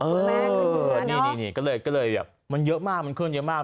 เออนี่ก็เลยมันเยอะมากมันเคลื่อนเยอะมาก